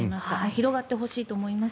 広がってほしいと思います。